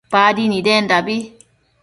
Nadi nidendabi